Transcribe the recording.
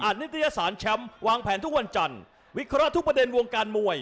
นิตยสารแชมป์วางแผนทุกวันจันทร์วิเคราะห์ทุกประเด็นวงการมวย